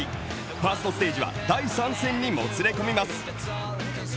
ファーストステージは第３戦にもつれ込みます。